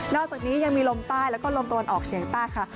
อกจากนี้ยังมีลมใต้แล้วก็ลมตะวันออกเฉียงใต้ค่ะ